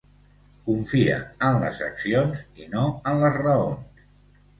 Confia en les accions i no en les raons.